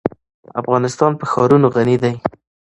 افغانستان په ښارونه غني دی.